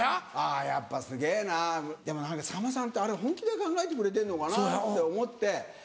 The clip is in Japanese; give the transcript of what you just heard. やっぱすげぇなでも何かさんまさんってあれ本気で考えてくれてんのかなって思って。